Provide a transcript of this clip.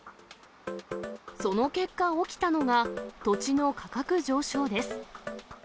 その結果、起きたのが土地の価格上昇です。